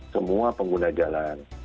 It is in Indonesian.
semua pengguna jalan